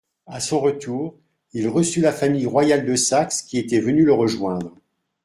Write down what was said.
À son retour, il reçut la famille royale de Saxe, qui était venue le rejoindre.